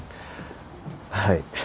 はい。